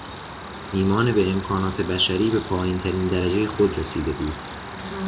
ایمان به امکانات بشری به پایینترین درجهی خود رسیده بود.